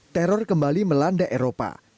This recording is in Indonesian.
teror kembali melanda eropa